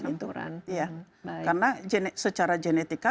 karena secara genetika